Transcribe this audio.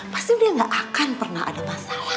pasti dia gak akan pernah ada basah